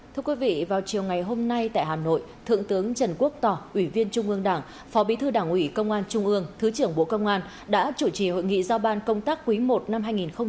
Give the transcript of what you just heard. thưa quý vị vào chiều ngày hôm nay tại hà nội thượng tướng trần quốc tỏ ủy viên trung ương đảng phó bí thư đảng ủy công an trung ương thứ trưởng bộ công an đã chủ trì hội nghị giao ban công tác quý i năm hai nghìn hai mươi bốn